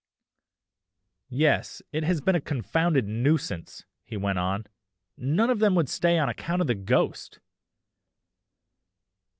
"Yes, it has been a confounded nuisance!" he went on, "none of them would stay on account of the ghost!